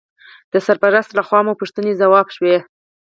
د سرپرست لخوا مو پوښتنې ځواب شوې.